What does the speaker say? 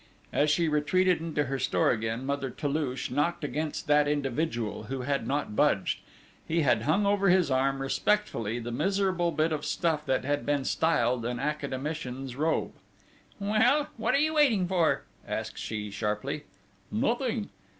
As she retreated into her store again Mother Toulouche knocked against that individual, who had not budged: he had hung over his arm respectfully the miserable bit of stuff that had been styled an academician's robe: "Well, what are you waiting for?" asked she sharply. "Nothing...."